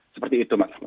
seperti itu maksudnya